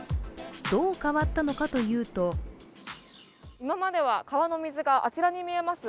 どう変わったのかというと今までは川の水があちらに見えます